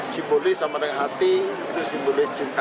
simbolis sama dengan hati itu simbolis cinta